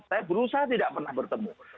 saya berusaha tidak pernah bertemu